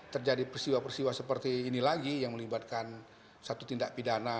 terjadi peristiwa peristiwa seperti ini lagi yang melibatkan satu tindak pidana